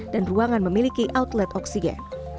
dan ruangan memiliki outlet oksigen